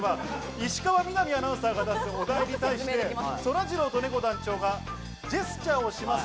石川みなみアナウンサーが出すお題に対して、そらジローとねこ団長がジェスチャーをします。